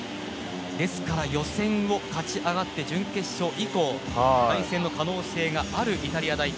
ですから予選を勝ち上がって準決勝以降対戦の可能性があるイタリア代表